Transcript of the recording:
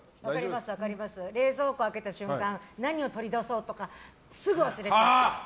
分かります冷蔵庫開けた瞬間何を取り出そうとかすぐ忘れちゃう。